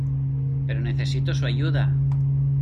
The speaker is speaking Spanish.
Pero necesito su ayuda.